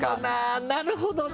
なるほどな！